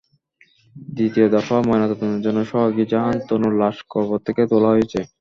দ্বিতীয় দফা ময়নাতদন্তের জন্য সোহাগী জাহান তনুর লাশ কবর থেকে তোলা হয়েছে।